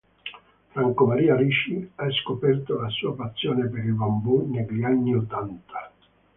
Franco Maria Ricci ha scoperto la sua passione per il bambù negli anni Ottanta.